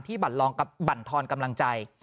ที่บันลองกับบันทรกำลังใจ